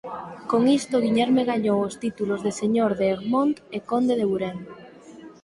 Con isto Guillerme gañou os títulos de Señor de Egmond e Conde de Buren.